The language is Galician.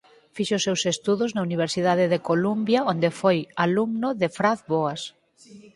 Fixo os seus estudos na universidade de Columbia onde foi alumno de Franz Boas.